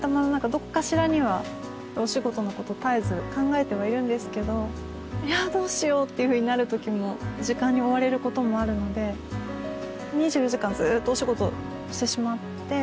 どこかしらにはお仕事のこと絶えず考えてはいるんですけどいやどうしようっていうふうになるときも時間に追われることもあるので２４時間ずーっとお仕事してしまって